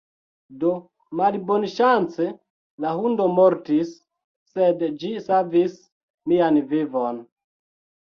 Do malbonŝance, la hundo mortis, sed ĝi savis mian vivon